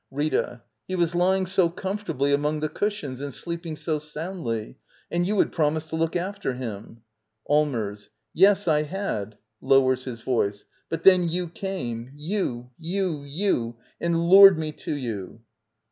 /Rita. He was lying so comfortably among the ' "Cushions and sleeping so soundly. And you had promised to look after him. Allmers. Yes, I had. [Lowers his voice.] ., But then you came — you, you, you — and lured me to you.